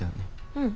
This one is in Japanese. うん。